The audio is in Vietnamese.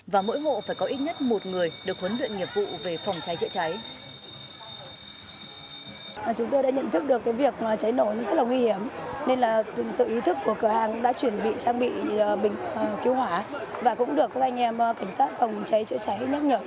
và mỗi hộ phải có ít nhất một người được huấn luyện nghiệp vụ về phòng cháy chữa cháy